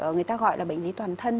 người ta gọi là bệnh lý toàn thân